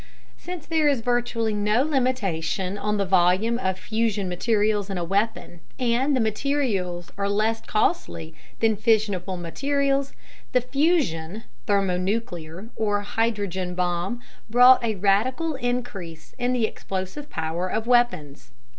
Since there is virtually no limitation on the volume of fusion materials in a weapon, and the materials are less costly than fissionable materials, the fusion, "thermonuclear," or "hydrogen" bomb brought a radical increase in the explosive power of weapons.